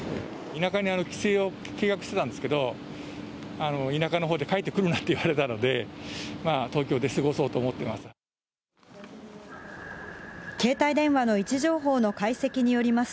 田舎に帰省を計画してたんですけど、田舎のほうで帰ってくるなって言われたので、まあ、東京で過ごそうと思ってます。